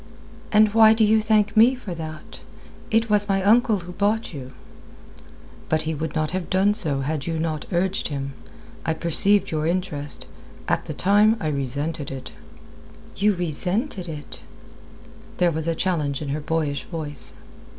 "And why do you thank me for that? It was my uncle who bought you." "But he would not have done so had you not urged him. I perceived your interest. At the time I resented it." "You resented it?" There was a challenge in her boyish voice.